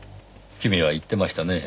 君は言ってましたね。